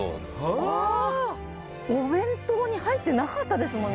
お弁当に入ってなかったですもんね。